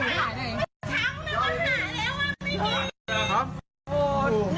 อ่ะถ่ายรวมที่หนึ่ง